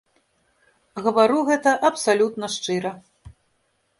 Гавару гэта абсалютна шчыра.